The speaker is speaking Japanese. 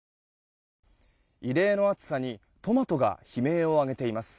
異例の暑さにトマトが悲鳴を上げています。